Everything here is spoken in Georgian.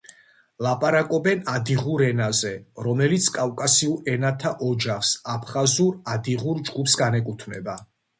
ლაპარაკობენ ადიღურ ენაზე რომელიც კავკასიურ ენათა ოჯახს აფხაზურ-ადიღურ ჯგუფს განეკუთვნება.